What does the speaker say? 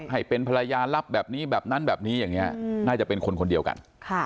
ให้เป็นภรรยาลับแบบนี้แบบนั้นแบบนี้อย่างนี้น่าจะเป็นคนคนเดียวกัน